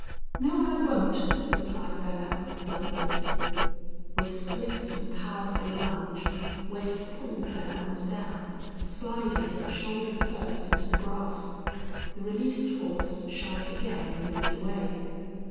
"No, I won't," replied Belllounds, bluntly. With swift and powerful lunge Wade pulled Belllounds down, sliding him shoulders first into the grass. The released horse shied again and moved away.